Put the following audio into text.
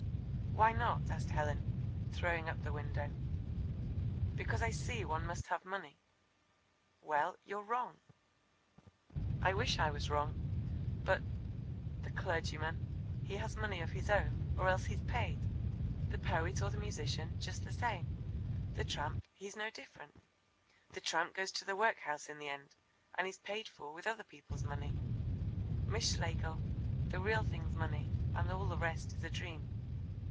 "Why not?" asked Helen, throwing up the window. "Because I see one must have money." "Well, you're wrong." "I wish I was wrong, but the clergyman he has money of his own, or else he's paid; the poet or the musician just the same; the tramp he's no different. The tramp goes to the workhouse in the end, and is paid for with other people's money. Miss Schlegel, the real thing's money and all the rest is a dream."